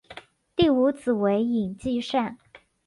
第五子为尹继善。